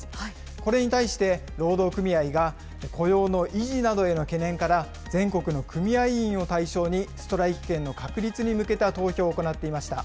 これに対して、労働組合が雇用の維持などへの懸念から、全国の組合員を対象に、ストライキ権の確立に向けた投票を行っていました。